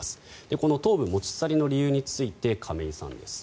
この頭部持ち去りの理由について亀井先生です。